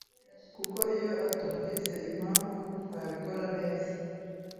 kuko iyo atumvise impamvu ntabikora neza